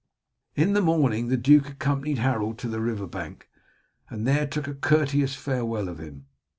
In the morning the duke accompanied Harold to the river bank and there took a courteous farewell of him.